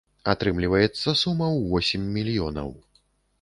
Атрымліваецца сума ў восем мільёнаў.